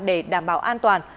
để đảm bảo an toàn